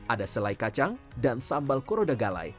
ada selai kacang dan sambal koroda galai